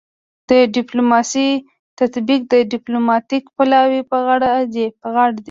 د ډیپلوماسي تطبیق د ډیپلوماتیک پلاوي په غاړه دی